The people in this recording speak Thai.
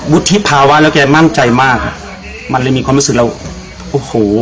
วุฒิภาวะแล้วแกมั่นใจมากอ่ะมันเลยมีความรู้สึกเราโอ้โห